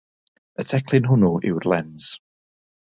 Y teclyn hwnnw yw'r “Lens”.